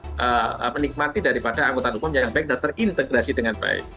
itu semua sudah bisa menikmati daripada angkutan umum yang baik dan terintegrasi dengan baik